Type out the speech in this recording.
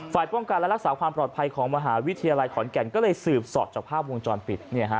ป้องกันและรักษาความปลอดภัยของมหาวิทยาลัยขอนแก่นก็เลยสืบสอดจากภาพวงจรปิด